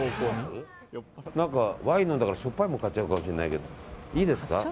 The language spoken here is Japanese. ワイン飲んだからしょっぱいものを買っちゃうかもしれないけどいいですか。